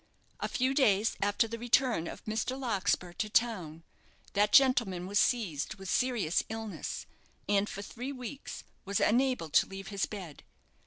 A few days after the return of Mr. Larkspur to town, that gentleman was seized with serious illness, and for three weeks was unable to leave his bed.